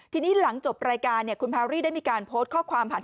ที่นี้หลังจบรายการคุณพาวรี่ได้มีการโพสต์ข้อความผ่านทาง